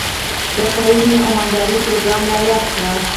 د کرنې او مالدارۍ پروګرام رایاد کړ.